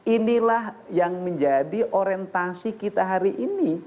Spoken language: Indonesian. inilah yang menjadi orientasi kita hari ini